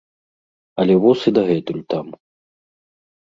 Але воз і дагэтуль там.